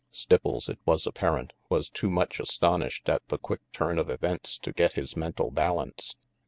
Stipples, it was apparent, was too much astonished at the quick turn of events to get his mental balance.